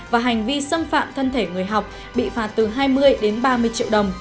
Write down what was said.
và hành vi xâm phạm thân thể người học bị phạt từ hai mươi đến ba mươi triệu đồng